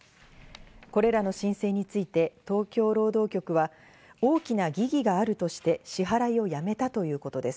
これらの申請について東京労働局は大きな疑義があるとして支払いをやめたということです。